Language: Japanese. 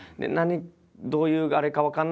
どういうあれか分かんないですけど